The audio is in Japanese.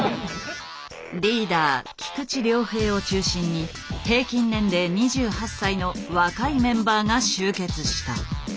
リーダー菊池亮平を中心に平均年齢２８歳の若いメンバーが集結した。